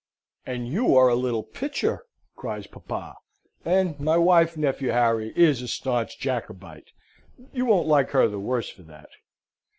"And you are a little pitcher," cries papa: "and my wife, nephew Harry, is a staunch Jacobite you won't like her the worse for that.